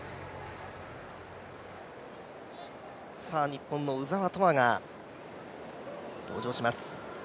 日本の鵜澤飛羽が登場します。